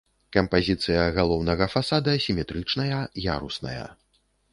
Кампазіцыя галоўнага фасада сіметрычная, ярусная.